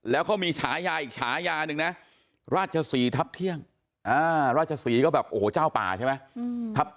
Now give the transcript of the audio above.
แล้วเขามีฉายาอีกฉายาหนึ่งนะราชศรีทับเที่ยงราชศรีก็แบบโอ้โหเจ้าป่าใช่ไหม